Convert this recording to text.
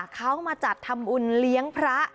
เขามาจัดทำบุญเลี้ยงพระ